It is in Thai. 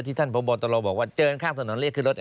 ที่ท่านพระบอตโรบอกว่าเจอข้างส่วนหนองเรียกขึ้นรถ